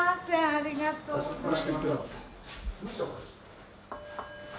ありがとうございます。